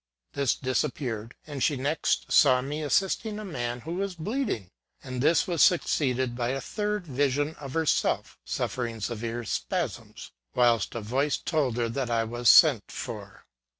This disappeared; and she next saw me assisting a man who was bleed ing ; and this was succeeded by a third vision of herself, suffering severe spasms, whilst a voice told 84 THE SEERESS OF PREVORST. her that I was sent for.